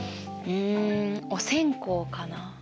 うんお線香かな。